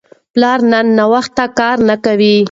پلار نن ناوخته کار نه کوي.